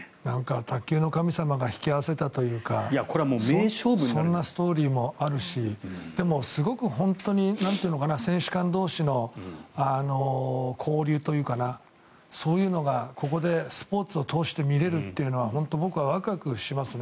卓球の神様が引き合わせたというかそんなストーリーもあるしでも、すごく選手間同士の交流というかそういうのがここでスポーツを通して見れるというのは本当に僕はワクワクしますね。